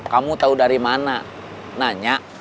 kamu tahu dari mana nanya